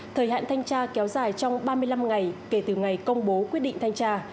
thời hạn thanh tra kéo dài trong ba mươi năm ngày kể từ ngày công bố quyết định thanh tra